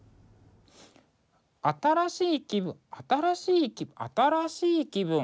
新しい気分新しい気分